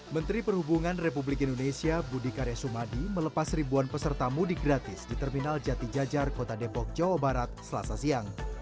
menteri perhubungan republik indonesia budi karya sumadi melepas ribuan peserta mudik gratis di terminal jati jajar kota depok jawa barat selasa siang